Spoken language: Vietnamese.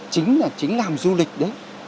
chính là chính làng du lịch đấy